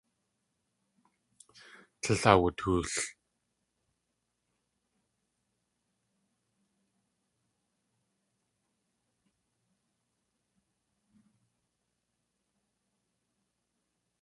Tlél awutool.